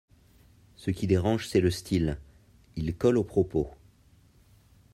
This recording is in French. Ce qui dérange c’est le style, il colle au propos.